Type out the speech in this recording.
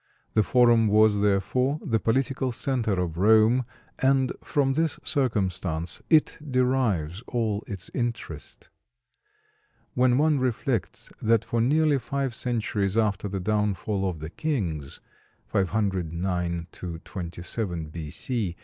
The Forum was therefore the political center of Rome, and from this circumstance it derives all its interest. When one reflects that for nearly five centuries after the downfall of the kings (509 27 B.C.)